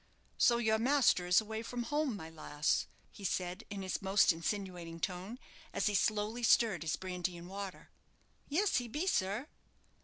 "So your master is away from home, my lass," he said, in his most insinuating tone, as he slowly stirred his brandy and water. "Yes, he be, sir."